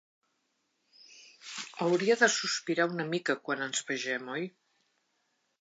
Hauria de sospirar una mica quan ens vegem, oi?